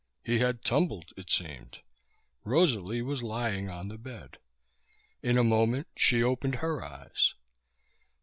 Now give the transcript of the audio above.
He had tumbled, it seemed. Rosalie was lying on the bed. In a moment she opened her eyes.